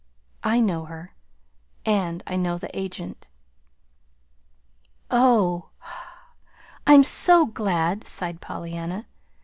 "I know her, and I know the agent." "Oh, I'm so glad," sighed Pollyanna.